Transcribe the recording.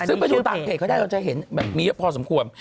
ซึ่งไปดูตังค์เพจเขาได้ต้องจะเห็นมีเยอะพอสมควร